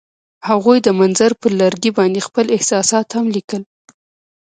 هغوی د منظر پر لرګي باندې خپل احساسات هم لیکل.